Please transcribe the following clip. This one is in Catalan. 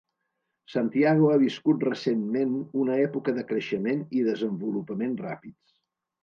Santiago ha viscut recentment una època de creixement i desenvolupament ràpids.